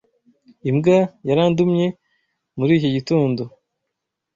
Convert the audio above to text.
Imbwa yarandumye muri iki gitondo.